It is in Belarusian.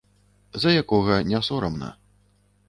За якога не сорамна.